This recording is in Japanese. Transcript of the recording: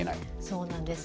そうなんです。